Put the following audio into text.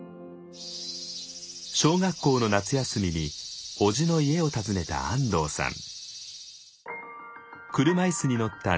小学校の夏休みにおじの家を訪ねた安藤さん。